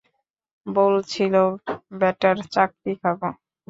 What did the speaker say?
বলছিল, ব্যাটার চাকরি খাব।